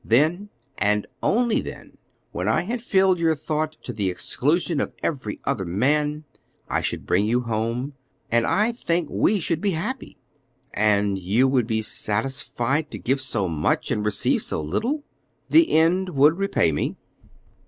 Then, and only then, when I had filled your thought to the exclusion of every other man, I should bring you home; and I think we should be happy." "And you would be satisfied to give so much and receive so little?" "The end would repay me."